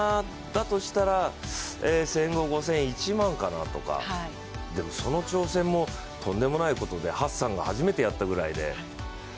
だとしたら、１５００、５０００、１００００かなとか、でもその挑戦も、とんでもないことでハッサンが初めてやったぐらいで。